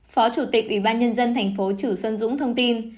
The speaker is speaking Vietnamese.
phó chủ tịch ủy ban nhân dân thành phố chử xuân dũng thông tin